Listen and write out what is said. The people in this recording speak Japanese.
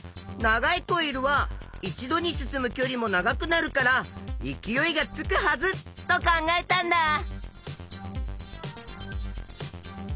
長いコイルは一度に進むきょりも長くなるから勢いがつくはずと考えたんだ！